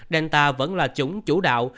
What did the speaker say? delta vẫn là chủng chủ đạo